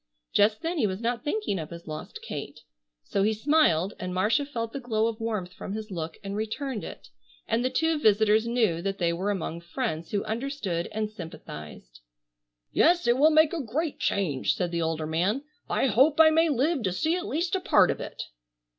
Just then he was not thinking of his lost Kate. So he smiled and Marcia felt the glow of warmth from his look and returned it, and the two visitors knew that they were among friends who understood and sympathized. "Yes, it will make a change," said the older man. "I hope I may live to see at least a part of it."